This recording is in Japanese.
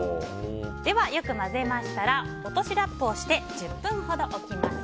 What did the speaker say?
では、よく混ぜましたら落としラップをして１０分ほど置きます。